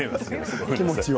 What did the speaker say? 気持ちは。